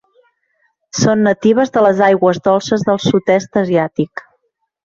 Són natives de les aigües dolces del sud-est asiàtic.